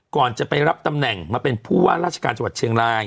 ก่อนจะไปรับตำแหน่งมาเป็นผู้ว่าราชการจังหวัดเชียงราย